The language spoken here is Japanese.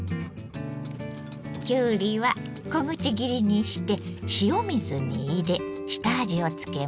きゅうりは小口切りにして塩水に入れ下味をつけます。